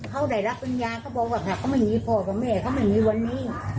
เขาได้รับปริญญาเขาบอกว่าถ้าเขาไม่มีพ่อกับแม่เขาไม่มีวันนี้